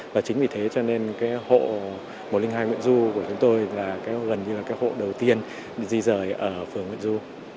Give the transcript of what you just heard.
và chính vì thế cho nên cái hộ một trăm linh hai nguyễn du của chúng tôi là gần như là cái hộ đầu tiên di rời ở phường nguyễn du